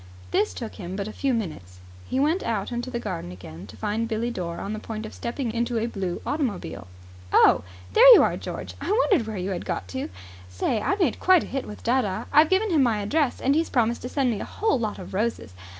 This took him but a few minutes. He went out into the garden again to find Billie Dore on the point of stepping into a blue automobile. "Oh, there you are, George. I wondered where you had got to. Say, I made quite a hit with dadda. I've given him my address, and he's promised to send me a whole lot of roses.